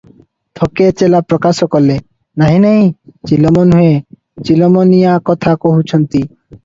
ଥୋକେ ଚେଲା ପ୍ରକାଶ କଲେ, "ନାହିଁ ନାହିଁ ଚିଲମ ନୁହେଁ, ଚିଲମ ନିଆଁ କଥା କହୁଛନ୍ତି ।"